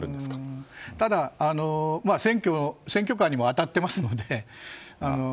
ただ、選挙カーにも当たってますので。